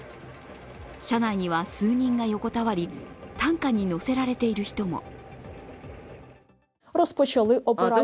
車内には数人が横たわり担架に乗せられている人も。